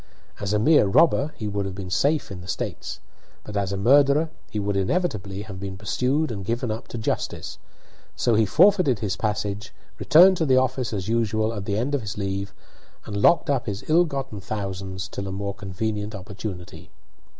As a mere robber he would have been safe in the States, but as a murderer he would inevitably have been pursued and given up to justice. So he forfeited his passage, returned to the office as usual at the end of his leave, and locked up his ill gotten thousands till a more convenient opportunity.